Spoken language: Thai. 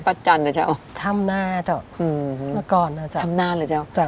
ป้าจันนะเจ้าทำนานะเจ้ามาก่อนนะเจ้าทำนานะเจ้า